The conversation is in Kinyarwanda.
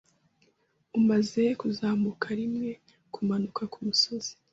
Umaze kuzamuka, rimwe kumanuka kumusozi